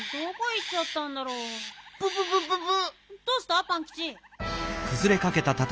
どうした？